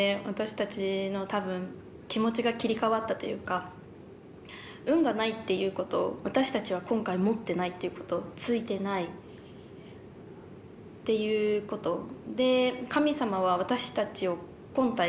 私たちの多分気持ちが切り替わったというか運がないっていうこと私たちは今回持ってないっていうことついてないっていうこと。